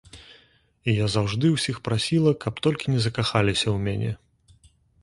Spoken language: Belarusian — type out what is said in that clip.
І я заўжды ўсіх прасіла, каб толькі не закахаліся ў мяне.